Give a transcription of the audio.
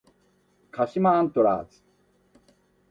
鹿島アントラーズ